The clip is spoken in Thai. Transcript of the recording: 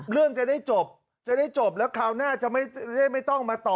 เรื่องจะได้จบแล้วคราวหน้าจะไม่ต้องมาต่อ